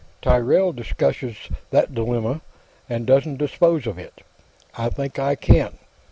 "Tyrrell discusses that dilemma, and doesn't dispose of it. I think I can.